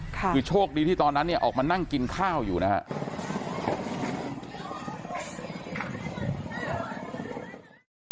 คือโชคดีที่ตอนนั้นเนี่ยออกมานั่งกินข้าวอยู่นะครับ